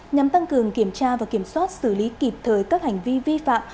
nhằm tăng cường kiểm tra và kiểm soát xử lý kịp thời các hành vi vi phạm